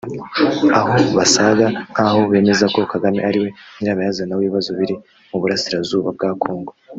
Aho basaga nk’aho bemeza ko Kagame ariwe nyirabayazana w’ibibazo biri mu burasirazuba bwa Congo